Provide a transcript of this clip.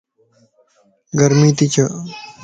گرمي تي ڇَ